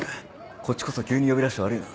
こっちこそ急に呼び出して悪いな。